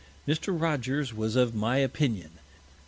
Mr. Rogers was of my Opinion.